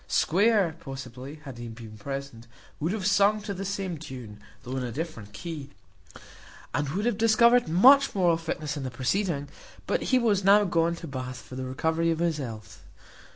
Square, possibly, had he been present, would have sung to the same tune, though in a different key, and would have discovered much moral fitness in the proceeding: but he was now gone to Bath for the recovery of his health.